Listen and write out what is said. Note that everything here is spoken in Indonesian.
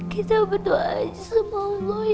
kita berdoa aja sama allah ya